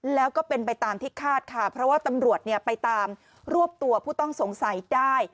แล้วก็เป็นไปตามที่คาดค่ะเพราะว่าตำรวจไปตามรวบตัวผู้ต้องสงสัยได้